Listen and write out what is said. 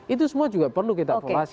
itu semua juga perlu kita evaluasi